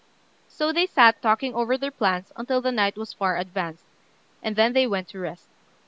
So they sat talking over their plans until the night was far advanced, and then they went to rest.